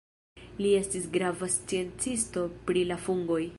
Li estis grava sciencisto pri la fungoj.